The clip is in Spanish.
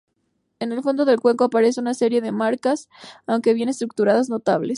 En el fondo del cuenco aparecen una serie de marcas, aunque sin estructuras notables.